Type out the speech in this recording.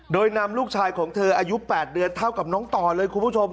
โดยนำลูกชายของเธออายุ๘เดือนเท่ากับน้องต่อเลยคุณผู้ชม